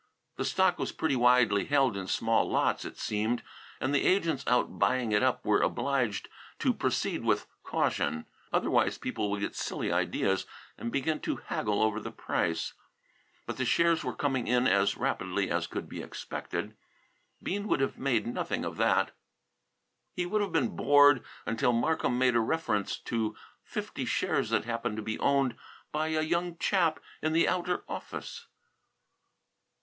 The stock was pretty widely held in small lots, it seemed, and the agents out buying it up were obliged to proceed with caution. Otherwise people would get silly ideas and begin to haggle over the price. But the shares were coming in as rapidly as could be expected. Bean would have made nothing of that. He would have been bored, until Markham made a reference to fifty shares that happened to be owned by a young chap in the outer office.